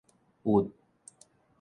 聿